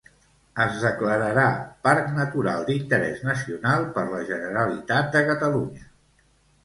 Es declararà Parc Natural d'Interès Nacional per la Generalitat de Catalunya.